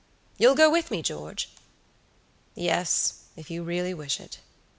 You'll go with me, George?" "Yes, if you really wish it."